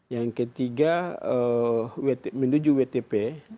yang ketiga menuju wtp